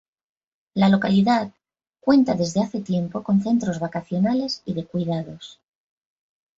La localidad cuenta desde hace tiempo con centros vacacionales y de cuidados.